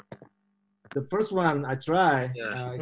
ketika itu saya menang